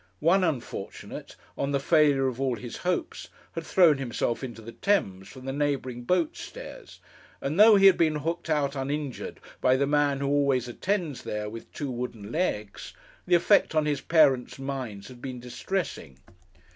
One unfortunate, on the failure of all his hopes, had thrown himself into the Thames from the neighbouring boat stairs; and though he had been hooked out uninjured by the man who always attends there with two wooden legs, the effect on his parents' minds had been distressing.